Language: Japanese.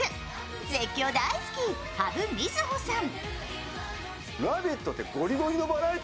絶叫大好き土生瑞穂さん。